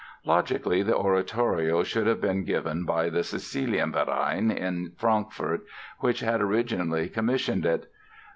Logically the oratorio should have been given by the Cäcilienverein, in Frankfort, which had originally commissioned it.